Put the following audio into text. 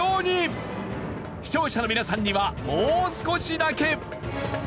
視聴者の皆さんにはもう少しだけ。